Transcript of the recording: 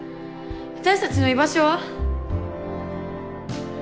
私たちの居場所は？